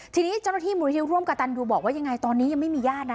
ทีนี้เจ้าหน้าที่มูลที่ร่วมกระตันยูบอกว่ายังไงตอนนี้ยังไม่มีญาตินะ